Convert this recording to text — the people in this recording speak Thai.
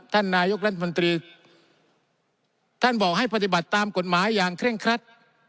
ท่านนายกรัฐมนตรีท่านบอกให้ปฏิบัติตามกฎหมายอย่างเคร่งครัด